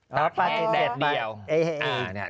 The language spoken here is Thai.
ปลาแดดเดียว